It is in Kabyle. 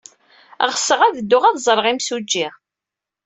Ɣseɣ ad dduɣ ad ẓreɣ imsujji.